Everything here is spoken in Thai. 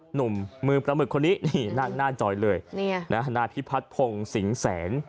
หนุ่มมือประหมึกคนนี้นี่น่าน่าจอยเลยเนี่ยน่าพี่พัดพงศ์สิงห์แสน